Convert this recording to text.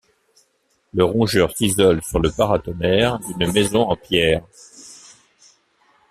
Le rongeur s'isole sur le paratonnerre d'une maison en pierre.